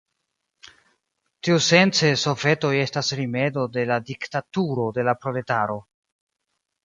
Tiusence sovetoj estas rimedo de la diktaturo de la proletaro.